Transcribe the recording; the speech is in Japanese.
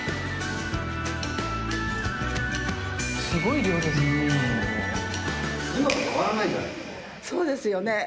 すごい量ですね。